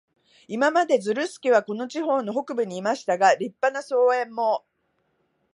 今まで、ズルスケはこの地方の北部にいましたが、立派な荘園も、